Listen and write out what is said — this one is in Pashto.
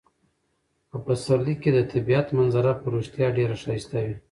په پسرلي کې د طبیعت منظره په رښتیا ډیره ښایسته وي.